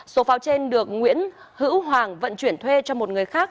số pháo trên được nguyễn hữu hoàng vận chuyển thuê cho một người khác